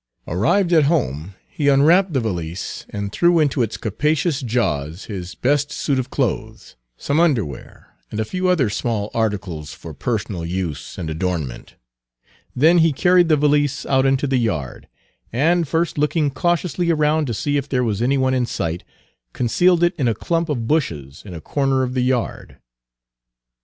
Arrived at home he unwrapped the valise, and thrust into its capacious jaws his best suit of clothes, some underwear, and a few other small articles for personal use and adornment. Then he carried the valise out into the yard, and, first looking cautiously around to see if there was any one in sight, concealed it in a clump of bushes in a corner of the yard.